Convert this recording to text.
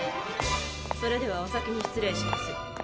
それではお先に失礼します。